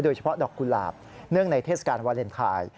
เฉพาะดอกกุหลาบเนื่องในเทศกาลวาเลนไทย